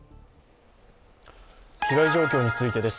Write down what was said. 被害状況についてです